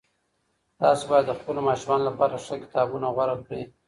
تاسو بايد د خپلو ماشومانو لپاره ښه کتابونه غوره کړئ.